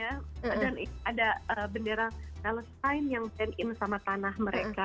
dan ada bendera palestine yang stand in sama tanah mereka